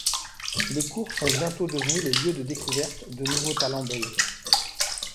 Les cours sont bientôt devenus le lieu de découverte de nouveaux talents belges.